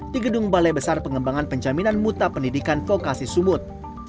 di gedung balai besar pengembangan penjaminan muta pendidikan vokasi sumut